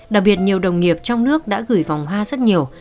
đặc biệt nhiều đồng nghiệp trong nước đã gửi vòng hoa rất nhiều